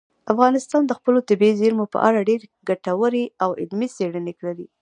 افغانستان د خپلو طبیعي زیرمو په اړه ډېرې ګټورې او علمي څېړنې لري.